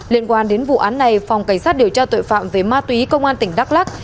liên quan đến vụ án này phòng cảnh sát điều tra tội phạm về ma túy công an tỉnh đắk lắc